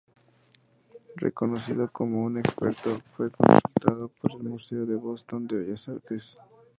Reconocido como un experto, fue consultado por el Museo de Boston de Bellas Artes.